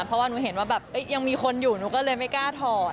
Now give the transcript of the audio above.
เพราะว่าหนูเห็นว่าแบบยังมีคนอยู่หนูก็เลยไม่กล้าถอด